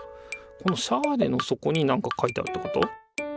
このシャーレの底になんか書いてあるってこと？